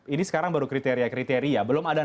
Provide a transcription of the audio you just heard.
ini sekarang baru kriteria kriteria belum ada